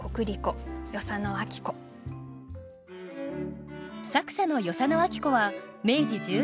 作者の与謝野晶子は明治１１年大阪生まれ。